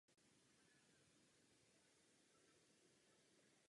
Ve dvouhře grandslamu bude v pozici první nasazené hráčky.